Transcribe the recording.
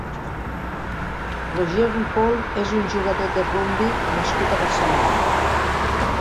Roger Ripol és un jugador de rugbi nascut a Barcelona.